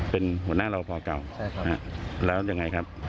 เป็นหัวหน้ารอพอเก่าแล้วยังไงครับ